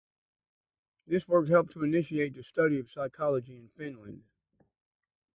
This work helped initiate the study of phycology in Finland.